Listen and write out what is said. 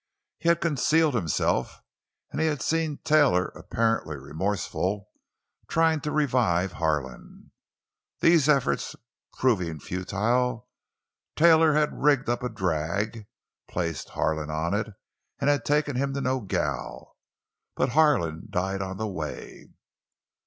He had concealed himself, and had seen Taylor, apparently remorseful, trying to revive Harlan. These efforts proving futile, Taylor had rigged up a drag, placed Harlan on it, and had taken him to Nogel. But Harlan died on the way.